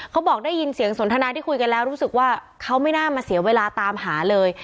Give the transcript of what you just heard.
เขาบอกได้ยินเสียงสนทนาที่คุยกันแล้วรู้สึกว่าเขาไม่น่ามาเสียเวลาตามหาเลย